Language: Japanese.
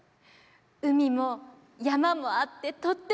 海も山もあってとってもいい所。